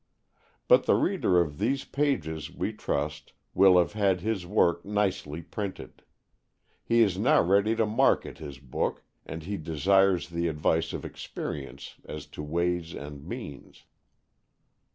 But the reader of these pages, we trust, will have had his work nicely printed. He is now ready to market his book, and he desires the advice of experience as to ways and means.